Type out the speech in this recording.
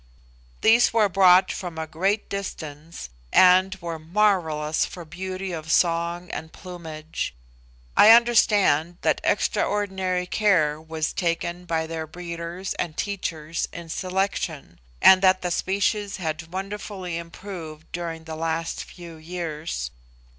These were brought from a great distance, and were marvellous for beauty of song and plumage. I understand that extraordinary care was taken by their breeders and teachers in selection, and that the species had wonderfully improved during the last few years.